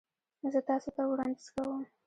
زه تاسو ته وړاندیز کوم